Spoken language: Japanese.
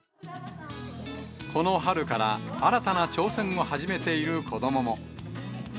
この春から新たな挑戦を始めている子どもも。